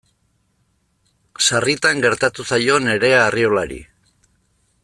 Sarritan gertatu zaio Nerea Arriolari.